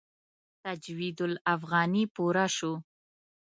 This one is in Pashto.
تجوید الافغاني پوره شو.